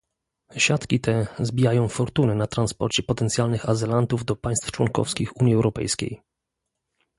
Siatki te zbijają fortuny na transporcie potencjalnych azylantów do państw członkowskich Unii Europejskiej